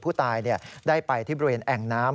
ผู้ตายได้ไปที่บริเวณแอ่งน้ำ